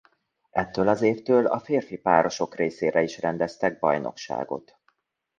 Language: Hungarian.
Ettől az évtől a férfi párosok részére is rendeztek bajnokságot.